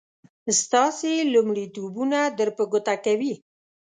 ستاسې لومړيتوبونه در په ګوته کوي.